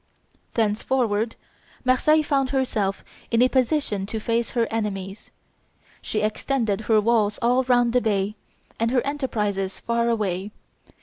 Thenceforward Marseilles found herself in a position to face her enemies. She extended her walls all round the bay, and her enterprises far away.